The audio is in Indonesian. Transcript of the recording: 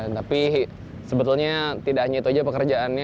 tapi sebetulnya tidak hanya itu saja pekerjaannya